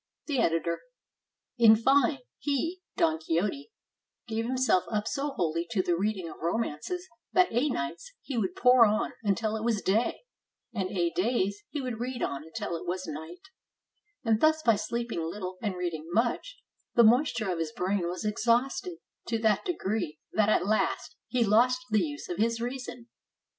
The Editor.] In fine, he [Don Quixote] gave himself up so wholly to the reading of romances that a nights he would pore on until it was day, and a days he would read on until it was night; and thus by sleeping little and reading much, the moisture of his brain was exhausted to that degree that at last he lost the use of his reason.